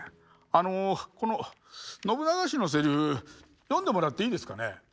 あのこの信長氏のセリフ読んでもらっていいですかね？